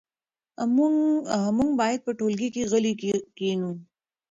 موږ باید په ټولګي کې غلي کښېنو.